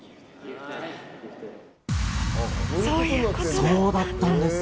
そうだったんです。